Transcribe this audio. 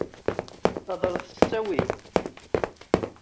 Heḍṛet s ttawil!